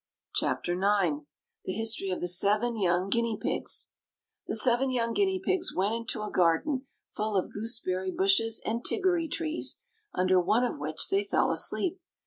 CHAPTER IX THE HISTORY OF THE SEVEN YOUNG GUINEA PIGS The seven young guinea pigs went into a garden full of gooseberry bushes and tiggory trees, under one of which they fell asleep.